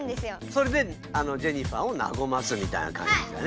それであのジェニファーをなごますみたいな感じだね。